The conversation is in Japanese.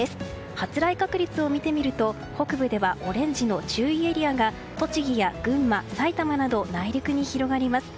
発雷確率を見てみると北部ではオレンジ色の注意エリアが栃木や群馬、埼玉など内陸に広がります。